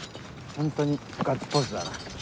本当にガッツポーズだな。